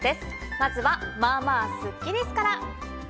まずは、まあまあスッキりすから。